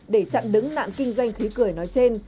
để chặn đứng nạn kinh doanh khí cười nói trên